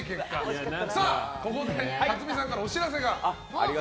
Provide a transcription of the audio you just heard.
ここで辰巳さんからお知らせが。